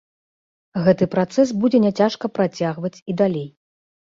Гэты працэс будзе няцяжка працягваць і далей.